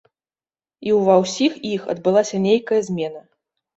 І ў ва ўсіх іх адбылася нейкая змена.